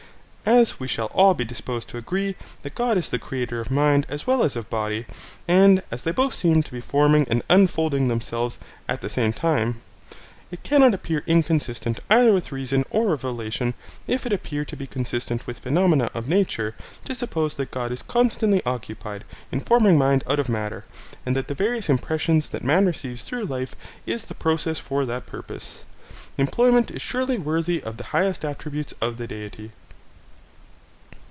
As we shall all be disposed to agree that God is the creator of mind as well as of body, and as they both seem to be forming and unfolding themselves at the same time, it cannot appear inconsistent either with reason or revelation, if it appear to be consistent with phenomena of nature, to suppose that God is constantly occupied in forming mind out of matter and that the various impressions that man receives through life is the process for that purpose. The employment is surely worthy of the highest attributes of the Deity.